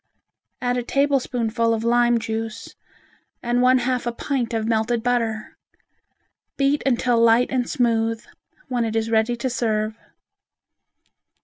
Add a tablespoonful of lime juice and one half a pint of melted butter. Beat until light and smooth, when it is ready to serve.